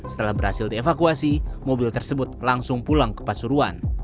setelah berhasil dievakuasi mobil tersebut langsung pulang ke pasuruan